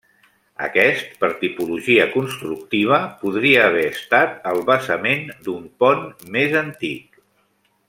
Aquest, per tipologia constructiva podria haver estat el basament d'un pont més antic.